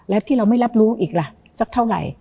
แล้วที่เราไม่รับรู้อีกล่ะสักเท่าไหร่